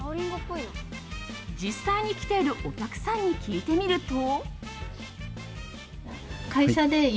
実際に来ているお客さんに聞いてみると。